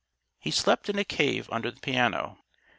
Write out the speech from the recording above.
He slept in a "cave" under the piano.